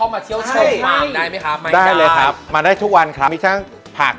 มากกับเจ้าคือเวิร์มมาก